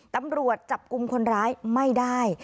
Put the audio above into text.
ตำรวจจับกลุ่มคนร้ายไม่ได้